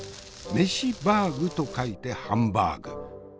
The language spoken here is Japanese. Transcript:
飯バーグと書いて飯バーグ。